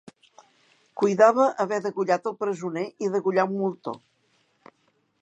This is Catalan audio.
Cuidava haver degollat el presoner i degollà un moltó.